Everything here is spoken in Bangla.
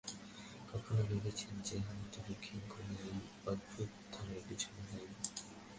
কখনো ভেবেছেন যে, হয়তো দক্ষিণ কোরিয়াই এই অভ্যুত্থানের পেছনে দায়ী?